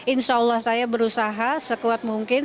insya allah saya berusaha sekuat mungkin